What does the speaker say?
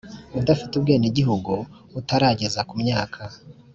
Udafite ubwenegihugu utarageza ku myaka